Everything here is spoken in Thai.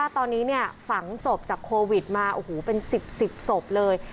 ตอนนี้ฝังศพจากโควิดมาเป็น๑๐๑๐ศพเลย